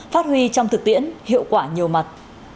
phát huy trong thực tiễn hiệu quả nhiều mặt